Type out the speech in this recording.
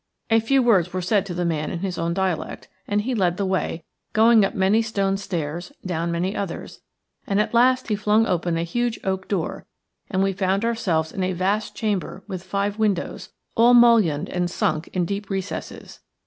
A few words were said to the man in his own dialect, and he led the way, going up many stone stairs, down many others, and at last he flung open a huge oak door and we found ourselves in a vast chamber with five windows, all mullioned and sunk in deep recesses.